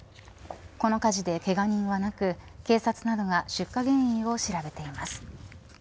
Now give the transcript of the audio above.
この火事でけが人はなく警察などが出火原因を調べています。